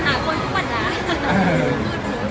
ช่องความหล่อของพี่ต้องการอันนี้นะครับ